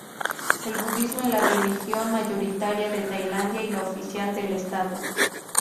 El budismo es la religión mayoritaria de Tailandia, y la oficial del Estado.